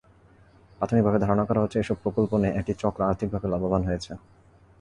প্রাথমিকভাবে ধারণা করা হচ্ছে, এসব প্রকল্প নিয়ে একটি চক্র আর্থিকভাবে লাভবান হয়েছে।